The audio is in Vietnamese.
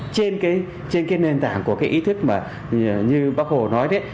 trên cái nền tảng của cái ý thức mà như bác hồ nói đấy